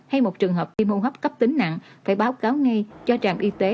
hay một trường hợp phim hô hấp cấp tính nặng phải báo cáo ngay cho trạm y tế